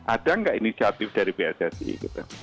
ada nggak inisiatif dari pssi gitu